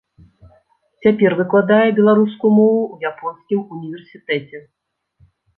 Цяпер выкладае беларускую мову ў японскім універсітэце.